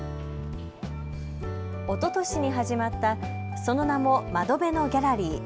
おととしに始まったその名も窓辺のギャラリー。